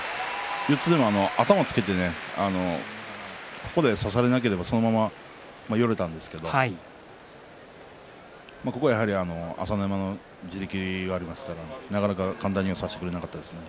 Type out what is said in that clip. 右四つでも頭をつけてここで差されなければこのまま寄れたんですけど朝乃山の地力がありますからなかなか簡単には差してくれなかったですね。